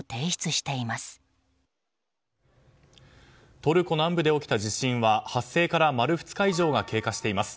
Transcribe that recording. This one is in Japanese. トルコ南部で起きた地震は発生から丸２日以上が経過しています。